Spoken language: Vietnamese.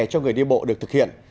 cho người đi bộ được thực hiện